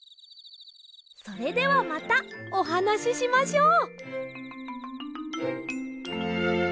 それではまたおはなししましょう。